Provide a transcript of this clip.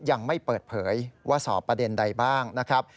ยังไม่เปิดเผยว่าสอบประเด็นใดบ้างนะครับ